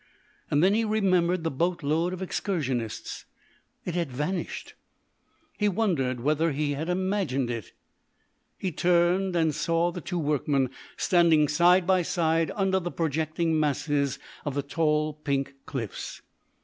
Then he remembered the boatload of excursionists. It had vanished. He wondered whether he had imagined it. He turned, and saw the two workmen standing side by side under the projecting masses of the tall pink cliffs.